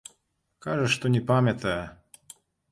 Кажа, што не памятае.